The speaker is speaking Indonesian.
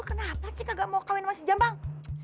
eh lu kenapa sih kagak mau kawin sama si jambang